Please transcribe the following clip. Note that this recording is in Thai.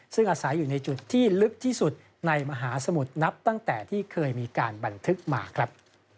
ซึ่งอาศัยอยู่ในจุดที่ลึกที่สุดในมหาสมุทรนับตั้งแต่ที่เคยมีการบันทึกมาครับ